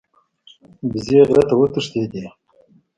وزې غره ته وتښتیده.